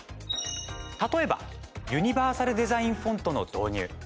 例えばユニバーサルデザインフォントの導入。